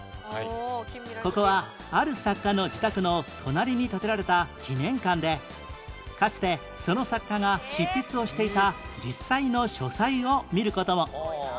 ここはある作家の自宅の隣に建てられた記念館でかつてその作家が執筆をしていた実際の書斎を見る事も